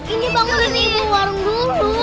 ini bangunin ibu warung dulu